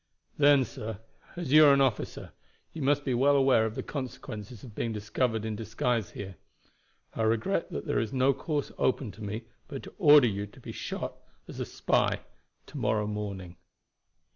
"Then, sir, as you are an officer, you must be well aware of the consequence of being discovered in disguise here. I regret that there is no course open to me but to order you to be shot as a spy to morrow morning."